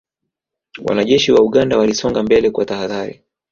Wanajeshi wa Uganda walisonga mbele kwa tahadhari